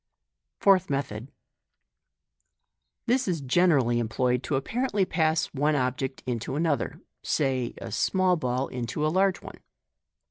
Fourth Method. — This is generally employed to apparently pass one object into another — say a small ball into a large one.